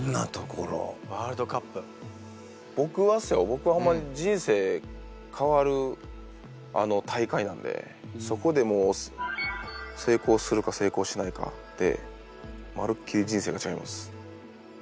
僕はホンマに人生変わる大会なんでそこでもう成功するか成功しないかでまるっきり人生が違います。